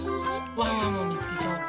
ワンワンもみつけちゃおう。